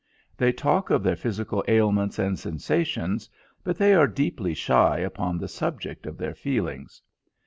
They talk of their physical ailments and sensations, but they are deeply shy upon the subject of their feelings.